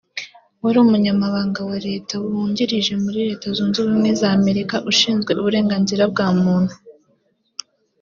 wari Umunyamabanga wa Leta wungirije muri Leta Zunze Ubumwe za Amerika ushinzwe uburenganzira bwa muntu